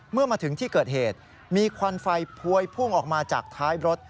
เมื่อมาถึงที่เกิดเหตุมีควันไฟพวยพุ่งออกมาจากท้ายรถ